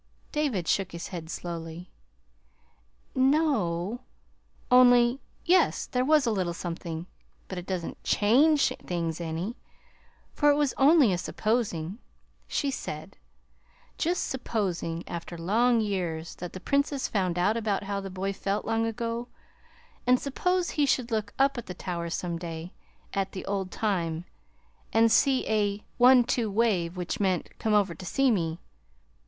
David shook his head slowly. "No, only yes, there was a little something, but it doesn't CHANGE things any, for it was only a 'supposing.' She said: 'Just supposing, after long years, that the Princess found out about how the boy felt long ago, and suppose he should look up at the tower some day, at the old time, and see a ONE TWO wave, which meant, "Come over to see me."